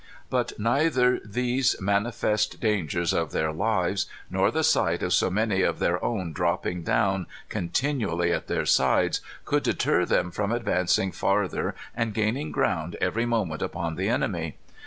"But neither these manifest dangers of their lives, nor the sight of so many of their own dropping down continually at their sides, could deter them from advancing farther and gaining ground every moment upon the enemy.